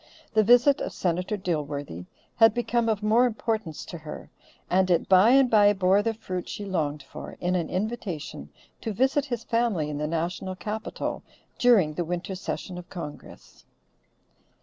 The visit of Senator Dilworthy had become of more importance to her, and it by and by bore the fruit she longed for, in an invitation to visit his family in the National Capital during the winter session of Congress.